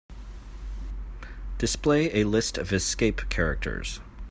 Display a list of escape characters.